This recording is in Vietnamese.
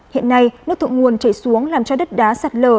hiện nay nước thượng nguồn chảy xuống làm cho đất đá sạt lở